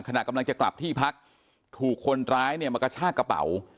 ขณะกำลังจะกลับที่พักถูกคนร้ายมันก็ช่ากระเป๋า